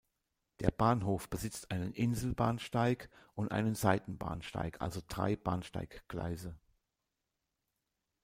Der Bahnhof besitzt einen Inselbahnsteig und einen Seitenbahnsteig, also drei Bahnsteiggleise.